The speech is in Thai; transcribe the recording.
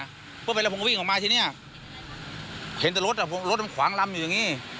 พูดไปแล้วผมก็วิ่งออกมาทีเนี้ยเห็นแต่รถอ่ะรถมันขวางลำอยู่อย่างนี้